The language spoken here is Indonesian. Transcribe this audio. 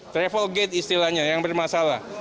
travel gate istilahnya yang bermasalah